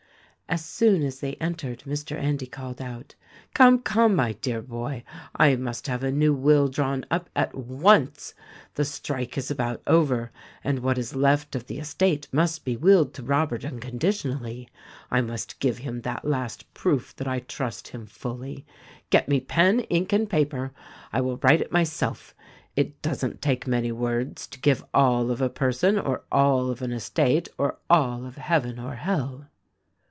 As soon as they entered Mr. Endy called out, "Come, come, my dear boy, I must have a new will drawn up at once. The strike is about over; and what is left of the estate must be willed to Robert unconditionally. I must give him that last proof that I trust him fully. Get me pen, ink and paper. I will write it myself. It doesn't take many words to give all of a person or all of an estate or all of Heaven or Hell."